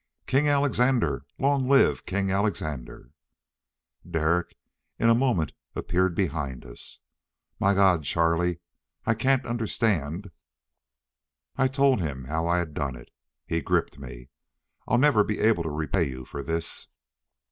"King Alexandre! Long live King Alexandre!" Derek in a moment appeared behind us. "My God, Charlie, I can't understand " I told him how I had done it. He gripped me. "I'll never be able to repay you for this!"